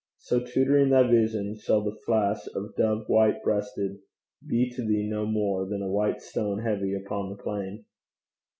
So tutoring thy vision, shall the flash Of dove white breasted be to thee no more Than a white stone heavy upon the plain.